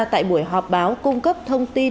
tại buổi họp báo cung cấp thông tin